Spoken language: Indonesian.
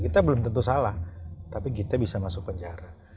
kita belum tentu salah tapi kita bisa masuk penjara